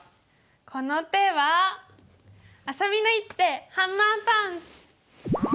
この手はあさみの一手ハンマーパンチ！